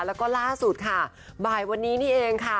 แล้วก็ล่าสุดค่ะบ่ายวันนี้นี่เองค่ะ